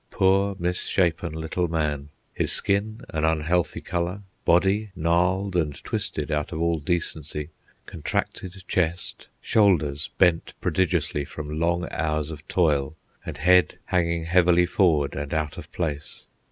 Poor, misshapen little man! His skin an unhealthy colour, body gnarled and twisted out of all decency, contracted chest, shoulders bent prodigiously from long hours of toil, and head hanging heavily forward and out of place!